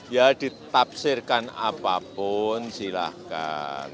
ya ditafsirkan apapun silahkan